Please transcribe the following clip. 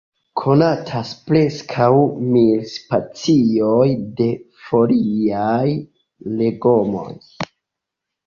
Konatas preskaŭ mil specioj de foliaj legomoj.